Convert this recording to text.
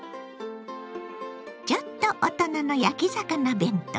ちょっと大人の焼き魚弁当。